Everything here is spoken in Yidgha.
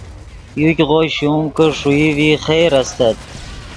یوګغو شوم ام کہ ݰوئی ڤی خیر استت